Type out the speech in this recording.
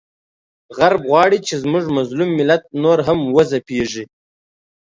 غرب غواړي چې زموږ مظلوم ملت نور هم وځپیږي،